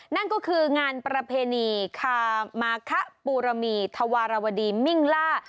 นั่นก็คืองานประเพณีคามาคะบูดล่ะมีวธวรวดีหมิ่งเล่อะ